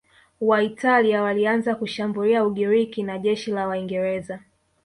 Waitalia walianza kushambulia Ugiriki na jeshi la Waingereza